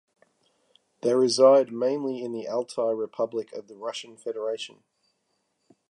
They reside mainly in the Altai Republic of the Russian Federation.